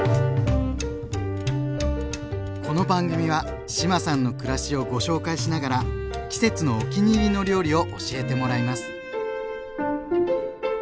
この番組は志麻さんの暮らしをご紹介しながら季節のお気に入りの料理を教えてもらいます。